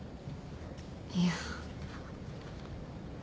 いや。